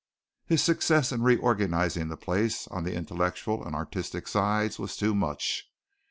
His success in reorganizing the place on the intellectual and artistic sides was too much.